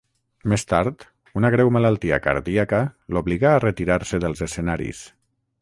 Més tard una greu malaltia cardíaca l'obligà a retirar-se dels escenaris.